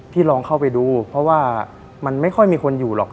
ลองเข้าไปดูเพราะว่ามันไม่ค่อยมีคนอยู่หรอก